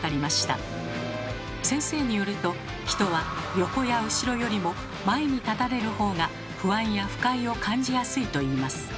先生によると人は横や後ろよりも前に立たれるほうが不安や不快を感じやすいといいます。